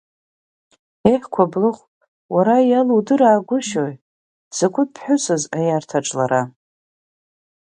Ех, Қәаблыхә, уара иалудыраагәышьои, дзакәытә ԥҳәысыз аиарҭаҿ лара.